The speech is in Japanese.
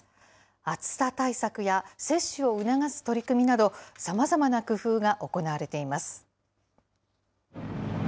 暑さ対策や接種を促す取り組みなど、さまざまな工夫が行われています。